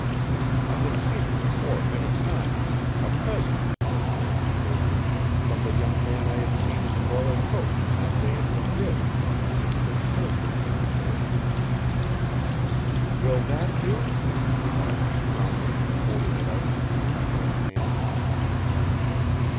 I had seen it before many times a present, Desiree had told me, from the young man I had seen in the royal coach on that day in Madrid when I had first heard the name of Le Mire. "Will that do?" she asked calmly, holding it out to me with a firm hand.